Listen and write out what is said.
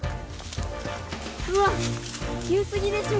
うわきゅうすぎでしょ